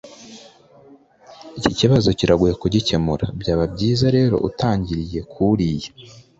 Iki kibazo kiragoye kugikemura. Byaba byiza rero utangiriye kuriya.